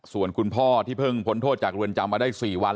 ส่วนคุณพ่อที่เพิ่งพ้นโทษจากเรือนจำมาได้๔วัน